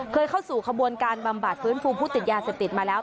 เคยเข้าสู่ขบวนการบำบัดพื้นฟูผู้เสพติดมาแล้ว